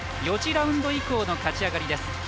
４次ラウンド以降の勝ち上がりです。